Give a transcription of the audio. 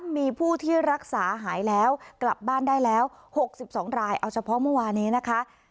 มีผู้ที่รักษาหายแล้วกลับบ้านได้แล้ว๖๒รายเอาเฉพาะเมื่อวานี้นะคะ